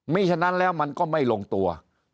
มีฉะนั้นแล้วมันก็ไม่ลงตัว